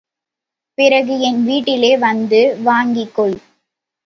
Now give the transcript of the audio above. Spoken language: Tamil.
பிறகு என் வீட்டிலே வந்து வாங்கிக் கொள்.